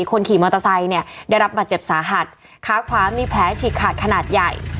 คนขี่มอเตอร์ไซค์เนี่ยได้รับบาดเจ็บสาหัสขาขวามีแผลฉีกขาดขนาดใหญ่